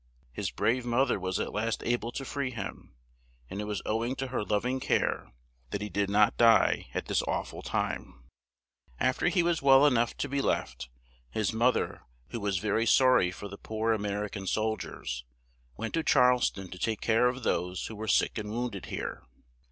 His brave moth er was at last a ble to free him, and it was ow ing to her lov ing care that he did not die at this aw ful time. [Illustration: ANDREW JACKSON.] Af ter he was well e nough to be left, his moth er, who was ver y sor ry for the poor A mer ican sol diers, went to Charles ton to take care of those who were sick and wound ed here.